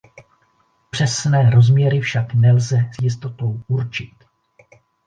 Přesné rozměry však nelze s jistotou určit.